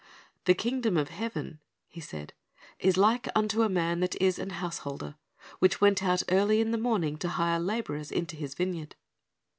"The kingdom of heaven," He said, "is like unto a man that is an householder, which went out early in the morning to hire laborers into his vineyard."